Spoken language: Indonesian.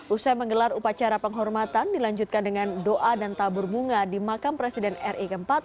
usai menggelar upacara penghormatan dilanjutkan dengan doa dan tabur bunga di makam presiden ri keempat